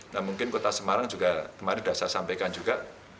nah mungkin kota semarang juga kemarin sudah saya sampaikan juga